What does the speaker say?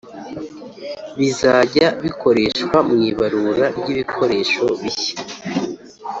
bizajya bikoreshwa mu ibarura ry ibikoresho bishya